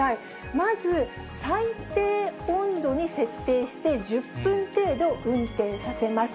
まず、最低温度に設定して、１０分程度運転させます。